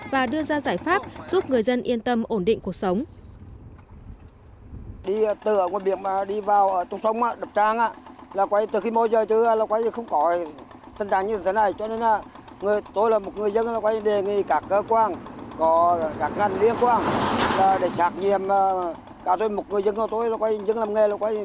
và đưa ra giải pháp giúp người dân yên tâm ổn định cuộc sống